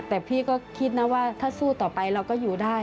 แต่พี่ก็คิดนะว่าถ้าสู้ต่อไปเราก็อยู่ได้